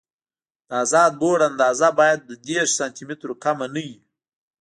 د ازاد بورډ اندازه باید له دېرش سانتي مترو کمه نه وي